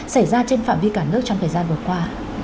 xảy ra trên phạm vi cả nước trong thời gian vừa qua